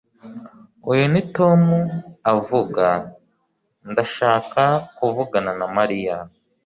uyu ni tom avuga. ndashaka kuvugana na mariya